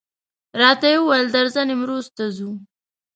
راته وویل درځه نیمروز ته ځو.